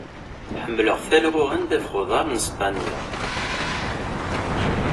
Ḥemmleɣ talɣuɣa n ddabex n uḍar n Spanya.